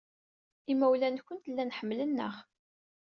Imawlan-nwent llan ḥemmlen-aɣ.